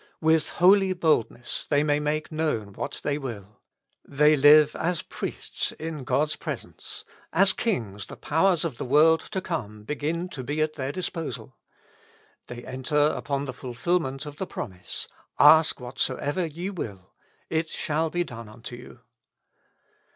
With holy boldness they may make known what they will : they live as priests in God's presence ; as kings the powers of the world to come begin to be at their disposal.^ They enter upon the fulfilment of the promise: "Ask whatsoever ye will, it shall be done unto you."